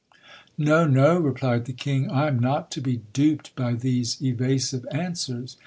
No, no, replied the King, I am not to be duped by these evasive answers.